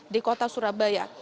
di kota surabaya